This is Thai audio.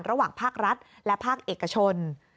ระหว่างภาครัฐและภาคเอกชน